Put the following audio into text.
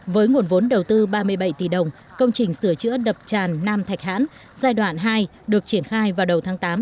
với nguồn vốn đầu tư ba mươi bảy tỷ đồng công trình sửa chữa đập tràn nam thạch hãn giai đoạn hai được triển khai vào đầu tháng tám